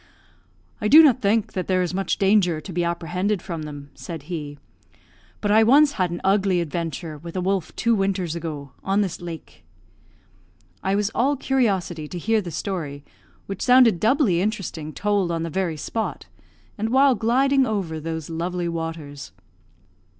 "I do not think that there is much danger to be apprehended from them," said he; "but I once had an ugly adventure with a wolf two winters ago, on this lake." I was all curiosity to hear the story, which sounded doubly interesting told on the very spot, and while gliding over those lovely waters.